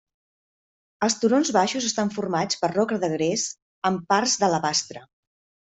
Els turons baixos estan formats per roca de gres amb parts d'alabastre.